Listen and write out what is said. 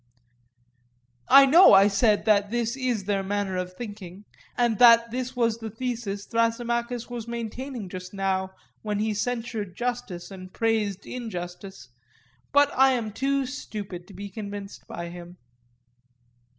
I know, I said, that this is their manner of thinking, and that this was the thesis which Thrasymachus was maintaining just now, when he censured justice and praised injustice. But I am too stupid to be convinced by him.